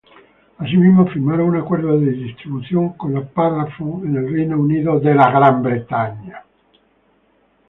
Asimismo firmaron un acuerdo de distribución con la Parlophone en el Reino Unido.